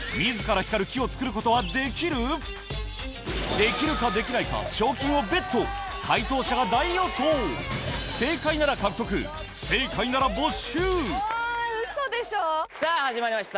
できるかできないか賞金をベット解答者が大予想正解なら獲得不正解なら没収さぁ始まりました